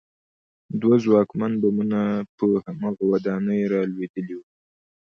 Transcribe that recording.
دوه ځواکمن بمونه په هماغه ودانۍ رالوېدلي وو